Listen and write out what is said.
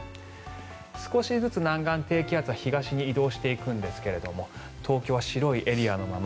少しずつ南岸低気圧が東に移動していくんですが東京は白いエリアのまま。